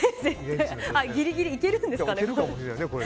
ギリギリいけるんですかね。